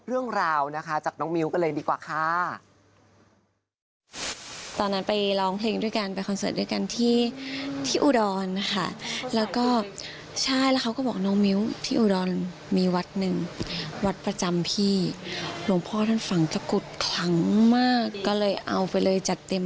อุ๋าทิเชิดอย่างนั้นแต่เป็นแบบว่าขอพรจากสกุดด้วย